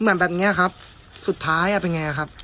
เหมือนแบบนี้ครับสุดท้ายเป็นไงครับ